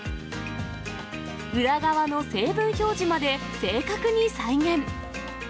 裏側の成分表示まで正確に再現。